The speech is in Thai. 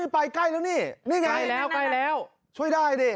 ไปใกล้แล้วนี่ช่วยได้ดิ